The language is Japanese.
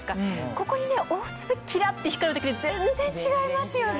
ここに大粒キラって光るだけで全然違いますよね。